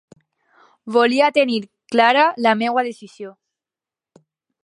Volia tenir clara la meua decisió.